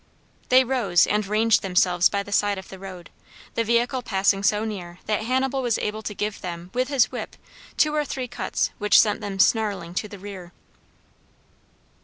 They rose and ranged themselves by the side of the road, the vehicle passing so near that Hannibal was able to give them with his whip two or three cuts which sent them snarling to the rear.